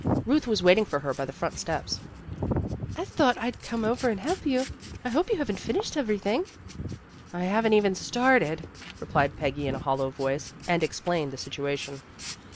Ruth was waiting for her by the front steps. '' I thought I 'd come over and help you. I hope you haven't finished everything." '' I haven 't even started, '' replied Peggy in a hollow voice, and explained the situation.